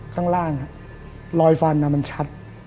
ข้างล่างรอยฟันมันชัด